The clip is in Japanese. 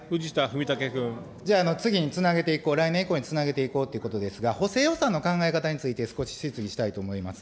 じゃあ、次につなげていこう、来年以降につなげていこうということですが、補正予算の考え方について、少し質疑したいと思います。